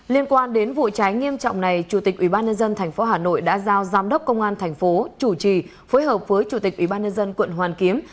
liên quan đến vụ cháy nghiêm trọng này chủ tịch ubnd tp hà nội đã giao giám đốc công an thành phố chủ trì phối hợp với chủ tịch ubnd quận hoàn kiếm